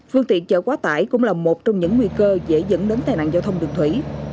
phương tiện chở quá tải cũng là một trong những nguy cơ dễ dẫn đến tai nạn giao thông đường thủy